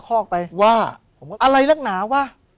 ผมก็ไม่เคยเห็นว่าคุณจะมาทำอะไรให้คุณหรือเปล่า